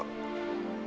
kamu itu gak sedih kok